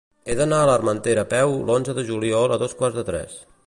He d'anar a l'Armentera a peu l'onze de juliol a dos quarts de tres.